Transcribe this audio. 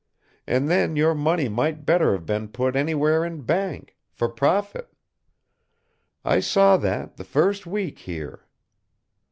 And then your money might better have been put anywhere in bank, for profit! I saw that, the first week here.